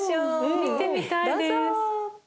見てみたいです。